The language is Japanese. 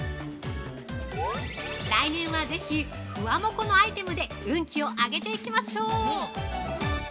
◆来年はぜひフワモコのアイテムで運気を上げていきましょう。